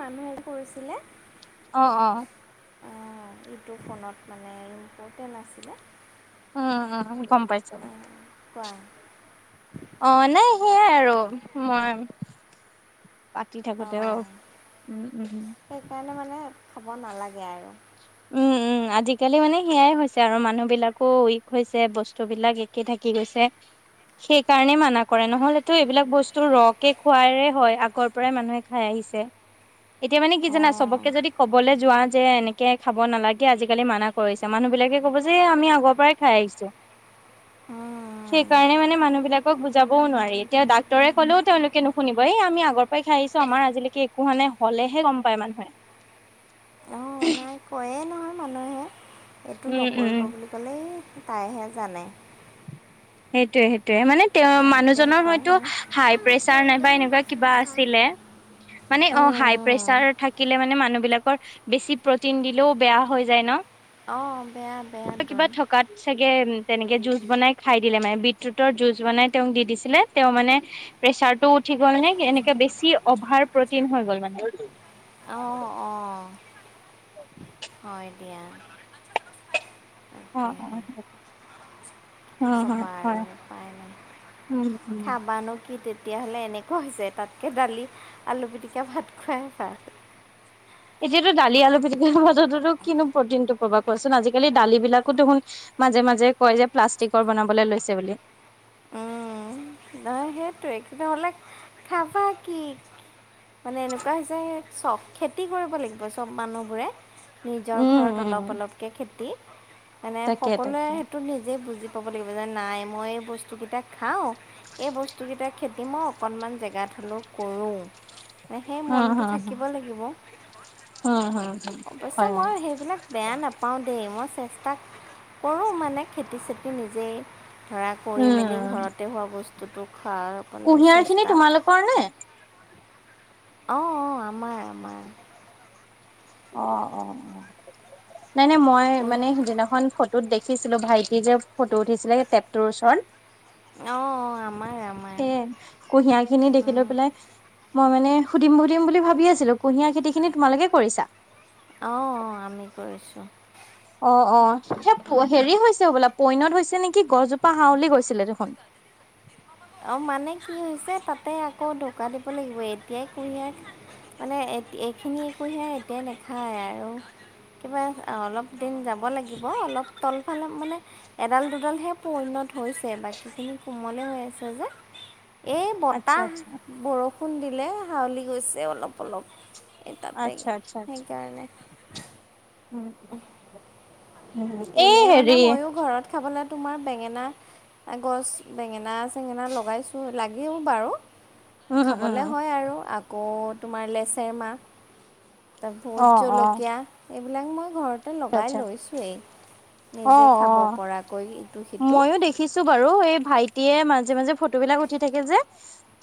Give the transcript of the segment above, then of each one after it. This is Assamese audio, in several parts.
মানুহে কৰিছিলে। অ', অ। অ' এইটো ফোনত মানে ইম্পৰ্টেণ্ট আছিলে। উম, উম গম পাইছো। অঁ, কোৱা? অ' নাই সেয়াই আৰু মই পাতি থাকোতেও অঁ উম-উম। সেইকাৰণে মানে খাব নালাগে আৰু। উম উম, আজিকালি মানে সেইয়াই হৈছে আৰু মানুহ বিলাকো উইক হৈছে বস্তু বিলাক একে থাকি গৈছে। সেই কাৰণে মানা কৰে নহলেতো এইবিলাক বস্তু ৰকে খুৱাইলে হয় আগৰ পৰাই মানুহে খাই আহিছে। [inaudible] এতিয়া মানে কি জানা অঁ চবকে যদি কবলৈ যোৱা যে এনে কে খাব নালাগে আজিকালি মানা কৰিছে মানুহ বিলাকে ক'ব যে আমি আগৰ পৰাই খাই আহিছোঁ। উম। সেইকাৰণে মানে মানুহ বিলাকক বুজাবও নোৱাৰি এতিয়া ডাক্তৰে ক'লেও তেওঁলোকে নুশুনিব এই আমি আগৰ তই খাই আহিছ আমাৰ আজিলৈকে একো হোৱা নাই হলেহে গম পায় মানুহে। অঁ নাই কয়ে নহয় মানুহে এইটো উম উম নকৰিব বুলি ক'লেই তাইহে জানে। সেটোয়ে- সেটোৱে মানে তেওঁ এনেকেই মানুহজনৰ কয় হয়তো হা হাই অঁ প্ৰেচাৰ ফুলদম নাইবা এনেকুৱা পচন্দ কিবা খাম আছিলে মানে উম, অ, হাই উম। প্ৰেচাৰ থাকিলে মানে মানুহবিলাকৰ বেছি প্ৰটিন দিলেও বেয়া হৈ যায় ন'? অ, বেয়া-বেয়া কিবা তোৰ। থকাত চাগে উম, তেনেকে জুচ বনাই খাই দিলে মানে বিটৰুটৰ জুচ বনাই তেওঁক দি দিছিলে তেওঁ মানে প্ৰেচাৰটো উঠি গ'ল নে এনেকে বেছি অভাৰ প্ৰটিন হৈ গল মানে অ', অ', হয় দিয়া। অ', তাকেহে অ', সেইটোৱে। কি ক'বা আৰু উপাই নাই উম, উম। খাবানো কি তেত তেতিয়াহ'লে এনেকুৱা হৈছে তাতকে দালি, আলু পিটিকা, ভাত খোৱাই ভাল। এতিয়াতো দালি, আলু পিটিকি খোৱাটোটো কিনো প্ৰটিনটো পাবা কোৱাচোন আজিকালি দালি বিলাকো দেখোন মাজে- মাজে কয় যে প্লাষ্টিকৰ বনাবলৈ লৈছে বুলি। নহয় সেইটোৱে [unintelligible] হ'লে খাবা কি মানে এনেকুৱা হৈছে চব খেতি কৰিব লাগিব চব মানুহবোৰে। নিজৰ উম, ঘৰত অলপ- উম, অলপকে খেতি মানে তাকে সকলোৱে তাকে। সেইটো নিজেই বুজি ক'ব লাগিব যে নাই মই এই বস্তুকেইটা খাওঁ এই বস্তুকেইটা খেতি মই অকণমান জেগাত হলোঁ কৰোঁ। এ সেই উম, মনটো হুম, হুম, থাকিব লাগিব উম, হুম, হুম, অৱশ্যে হয় হয়। মই সেইবিলাক বেয়া নাপাওঁ দেই মই চেষ্টা কৰোঁ মানে খেতি- চেতি নিজেই ধৰা কৰি মেলি উম, ঘৰতে হোৱা বস্তুটো খোৱাবলৈ চেষ্টা কৰনে অ', অ', আমাৰ- আমাৰ। অ', অ', অ', নাই- নাই মই অঁ মানে সিদিনাখন ফট টোত দেখিছিলোঁ ভাইটি যে ফটো উঠিছিলে সেই টেপটোৰ ওচৰত অ', অ', আমাৰ- আমাৰ। সেয়ে কুঁহিয়াৰ খিনি দেখি অঁ লৈ পেলাই মই মানে সুধিম -সুধিম বুলি ভাবি আছিলোঁ কুঁহিয়াৰ খেতি খিনি তোমালোকে কৰিছা। অ', অ', আমি কৰিছোঁ। অ', অ', সেই হেৰি হৈছে হবলা পইনত হৈছে নেকি গছজোপা হাউলি গৈছিলে দেখোন? অ, মানে কি হৈছে তাতে আকৌ দকা দিব লাগিব এতিয়াই কুহিয়াই মানে এত এইখিনি কুঁহিয়াৰ এতিয়া নেখায় আৰু। কিবা অলপ দিন যাব লাগিব অলপ তলফাল মানে এডাল, দুডালহে পইনত হৈছে বাকীখিনি কোমলে হৈ আছে। তই যে এই আচ্ছা বতাহ আচ্ছা বৰষ ষুণ দিলে হাওলি গৈছে অলপ -অলপ এই তাতে আচ্ছা আচ্ছা আচ্ছা সেইকাৰণে। [unintelligible] এই হেৰি খাবলে তোমাৰ বেঙেনা গছ বেঙেনা- চেঙেনা লগাইছোঁ লাগেও বাৰু। উম খাবলে উম হয় আৰু আকৌ তোমাৰ লেচেৰমাহ তে অ ভোট অ জলকীয়া এইবিলাক মই ঘৰতে লগাই আচ্ছা লৈছোঁৱেই। অ নিজে খাব পৰাকৈ ইটো -সিটো। উঠিছোঁ বাৰু এই ভাইটিয়ে মাজে -মাজে ফটো বিলাক উঠি থাকে যে।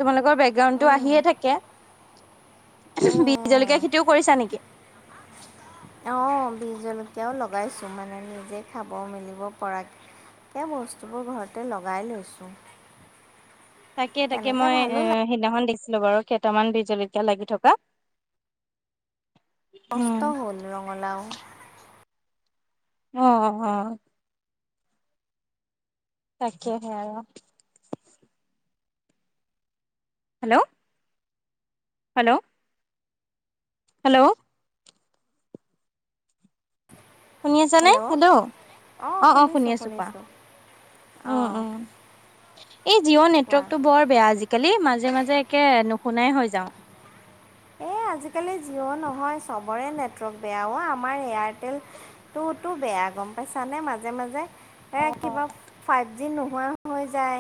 তোমালোকৰ বেকগ্ৰাউণ্ড টো উম, আহিয়ে থাকে উম, বিজ উম। জলকীয়া খেতিও কৰিছা নেকি? অহ, বিজ জলকীয়াও লগাইছোঁ মানে নিজে খাব মেলিব পৰাক এ বস্তুবোৰ ঘৰতে লগাই লৈছোঁ। তাকে- তাকে তেনেকৈ মই ভালো এ লাগে সেইদিনাখন দেখিছিলোঁ বাৰু কেইটামান বিজ জলকীয়া লাগি থকা। কষ্ট উম হ'ল, ৰঙালাও। অ', অ', অ', তাকেহে আৰু। হেল্ল', হেল্ল', হেল্ল', শুনি আছা নে, হেল্ল', অঁ অ', অ', শুনি শুনিছোঁ আছো কোৱা? শুনিছোঁ অঁ উম-উম এই কোৱা জিঅ'নেটৱৰ্কটো বৰ বেয়া আজি কালি মাজে-মাজে একে নুশুনাই হৈ যাও। এই আজিকালি জিঅ' নহয়, চবৰে নেটৱৰ্ক বেয়াও আমাৰ এয়াৰটেল তোৰতো বেয়া গম পাইছানে মাজে-মাজে এ কিবা ফা যি নোহোৱা হৈ যায়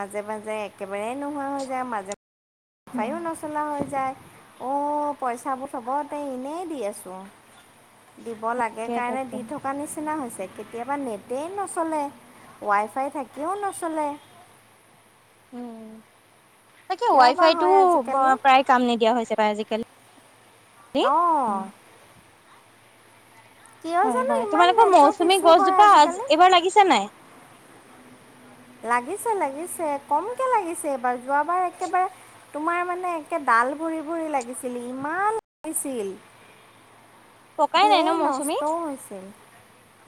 মাজে-মাজে একেবাৰে নোহোৱা হৈ যায় মাজে উম চফায়ো নচলা হৈ যায় অ, পইচাবোৰ চবতে এনেই দি আছো। দিব লাগে তাকে কাৰণে, তাকে দি থকাৰ নিচিনা হৈছে। কেতিয়াবা নেটেই নচলে, ৱাইফাই থাকিও নচলে। উম তাকে কিয় বা ৱাইফাইতটো হয় আজিকালি প্ৰায় কাম নিদিয়া হৈছে বা আজিকালি অ', কিয় জানো হয়-হয় ইমান তোমালোকৰ নেটৱৰ্ক মৌচুমী ইছ্যু হয় গছজোপা আজিকালি এইবাৰ লাগিছে নাই। লাগিছে-লাগিছে কমকৈ লাগিছে এইবাৰ যোৱাবাৰ একেবাৰে তোমাৰ মানে একে ডাল ভৰি-ভৰি লাগিছিল ইমান লাগিছিল। পকাই নাই ন ধেৰ মৌচুমী নষ্টও হৈছিল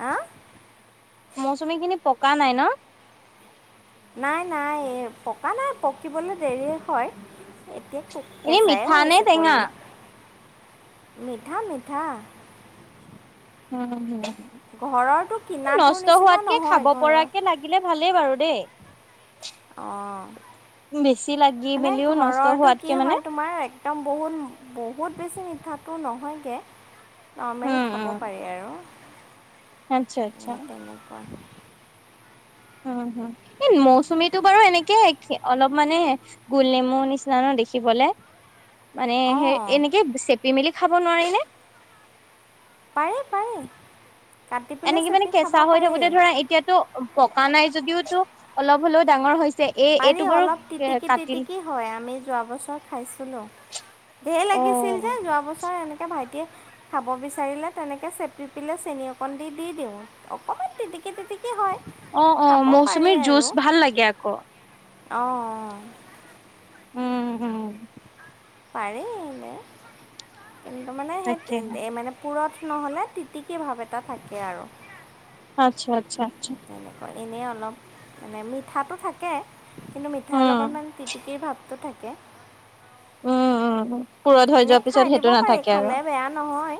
হ? মৌচুমী খিনি পকা নাই ন? নাই-নাই পকা নাই পকিবলৈ দেৰি হয়, এতিয়া খুব এনে কেঁচাই মিঠা নে আছে টেঙা পলি। মিঠা-মিঠা। হুম, ঘৰৰটো কিনাটোৰ নষ্ট নিচিনা হোৱাতকে, নহয় খাব পৰাকে লাগিলে ভালেই বাৰু দেই। অ', বেছি লাগিল। মানে ঘৰটো কি হয় তোমাৰ একদম বহুত-বহুত বেছি মিঠাটো নহয়গে। নৰ্মেল উম উম খাব পাৰি আৰু আচ্ছা আচ্ছা অ, তেনেকুৱা। উম, হুম, এ মৌচুমীটো বাৰু এনেকে অলপ মানে গোল নেমু নিচিনা ন দেখিবলে। মানে সেই অঁ এনেকে চেপি মেলি খাব নোৱাৰি নে? পাৰে-পাৰে। এনেকে মানে কেঁচা হৈ থাকোতে ধৰা এতিয়াতো পকা নাই যদিওটো অলপ হলেও ডাঙৰ হৈছে। এই এইটো পাৰি বাৰু অলপ কাটিল টিটিকি-টিটিকি হয় আমি যোৱা বছৰ খাইছিলো। ঢেৰ লাগিছিল যে অ', যোৱা বছৰ এনেকে ভাইটিয়ে খাব বিচাৰিলে তেনেকৈ চেপি পেলাই চেনি অকণ দি-দি দিওঁ অকণমান তিটিকি-তিটিকি হয়। অ', অ', খাব পাৰি মৌচুমীৰ জুচ ভাল লাগে আকৌ। অ', অ', উম-উম। পাৰি এনে কিন্তু মানে তাকে সেই এই মানে পুৰঠ নহ'লে তিতিকী ভাৱ এটা থাকে আৰু। আচ্ছা-আচ্ছা-আচ্ছা। তেনেকৈ এনেই অলপ মানে মিঠাটো থাকে থাকে কিন্তু মিঠাৰ উম, লগত মানে তিতিকি ভাৱটো থাকে। উম, অ', এনেই খাই দিব পাৰে, খালে বেয়া নহয়।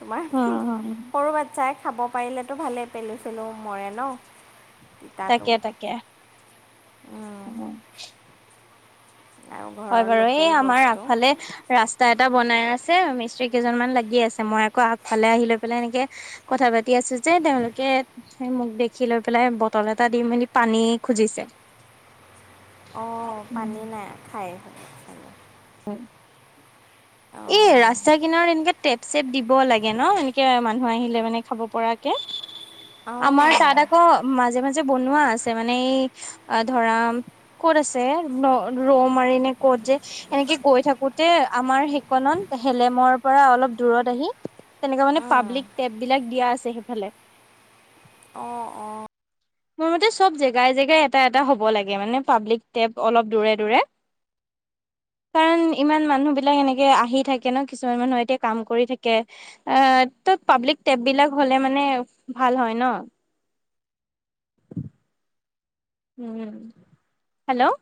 তোমাৰ উম, উম, সৰু বাচ্ছাই খাব পাৰিলেতো ভালেই, পেলু-চেলু মৰে ন। তিতাটো তাকে-তাকে উম'। আৰু হয় ঘৰৰ বাৰু। এই লোকেল আমাৰ বস্তু আগফালে ৰাস্তা এটা বনাই আছে, মিস্ত্ৰী কেইজনমান লাগি আছে। মই আকৌ আগফালে আহি লৈ পেলাই এনেকে কথা পাতি আছোঁ যে, তেওঁলোকে মোক দেখি দেখি লৈ পেলাই বটল এটা দি মেলি পানী খুজিছে। অ, পানী নাই খায় এইফালে। হয়। এই অঁ ৰাস্তা কিনাৰ এনেকে টেপ-চেপ দিব লাগে ন, এনেকে মানুহ আহি আহিলে মানে খাব পৰাকে। অঁ আমাৰ তাত আকৌ অ, মাজে-মাজে বনোৱা আছে মানে এই অ, ধৰা ক'ত আছে? ৰ ৰৌ মাৰি নে ক'ত যে? এনেকে গৈ থাকোতে আমাৰ সেইকনত, হেলেমৰ পৰা অলপ দূৰত আহি তেনেকা মানে উম, পাব্লিক টেপ বিলাক দিয়া আছে সেইফালে। অ-অ। মোৰ মতে চব জেগাই-জেগাই, এটা-এটা হ'ব লাগে মানে পাব্লিক টেপ অলপ দূৰে-দূৰে। কাৰণ ইমান মানুহ বিলাক এনেকে আহি থাকে ন, কিছুমান মানুহ এতিয়া কাম কৰি থাকে। অ, ত পাব্লিক টেপ বিলাক হ'লে মানে ভাল হয় ন? [inaudible] উম' হেল্ল'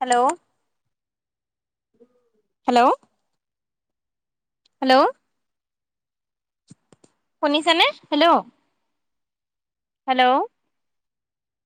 হেল্ল' হেল্ল' হেল্ল' শুনিছা নে? Hello hello